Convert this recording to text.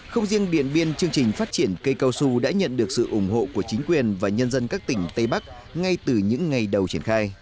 không riêng điện biên chương trình phát triển cây cao su đã nhận được sự ủng hộ của chính quyền và nhân dân các tỉnh tây bắc ngay từ những ngày đầu triển khai